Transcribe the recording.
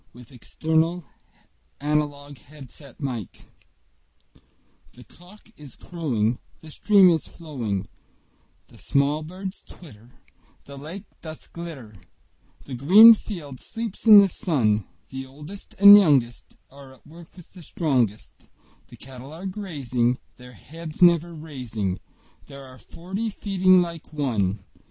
William Wordsworth Written in March THE cock is crowing, The stream is flowing, The small birds twitter, The lake doth glitter The green field sleeps in the sun; The oldest and youngest Are at work with the strongest; The cattle are grazing, Their heads never raising; There are forty feeding like one!